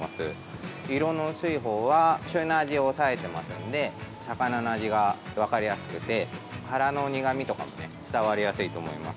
色の薄いほうはしょうゆの味を抑えてますので魚の味が分かりやすくて腹の苦みとかもね伝わりやすいと思います。